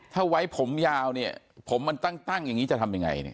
ถ้าไว้ผมยาวเนี่ยผมมันตั้งอย่างนี้จะทำยังไงเนี่ย